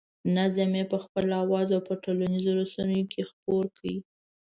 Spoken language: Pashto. نظم یې په خپل اواز په ټولنیزو رسنیو کې خپور کړی.